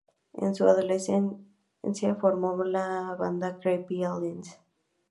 En su adolescencia, formó la banda Creepy Aliens.